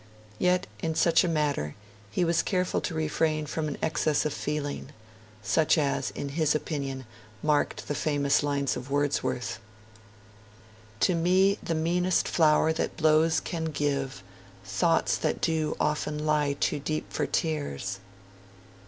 Yet, in such a matter, he was careful to refrain from an excess of feeling, such as, in his opinion, marked the famous lines of Wordsworth: 'To me the meanest flower that blows can give Thoughts that do often lie too deep for tears.'